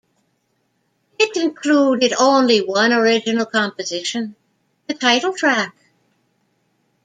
It included only one original composition, the title track.